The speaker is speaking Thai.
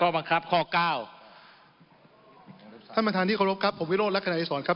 ท่านประธานที่เคารพครับผมวิโรตลักษณภ์คนาคดาแสนสอนครับ